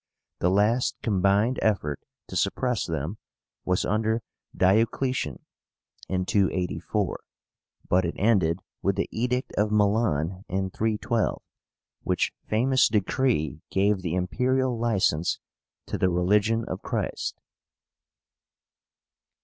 The last combined effort to suppress them was under DIOCLETIAN, in 284, but it ended with the EDICT OF MILAN in 312, which famous decree gave the imperial license to the religion of Christ.